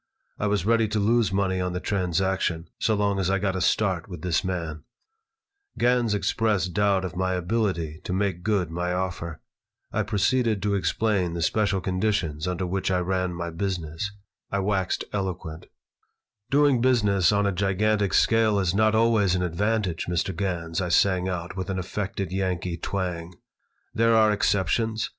I was ready to lose money on the transaction, so long as I got a start with this man Gans expressed doubt of my ability to make good my offer. I proceeded to explain the special conditions under which I ran my business. I waxed eloquent "Doing business on a gigantic scale is not always an advantage, Mr. Gans," I sang out, with an affected Yankee twang. "There are exceptions.